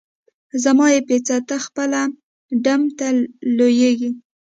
زما یی په څه؟ ته خپله ډم ته لویږي.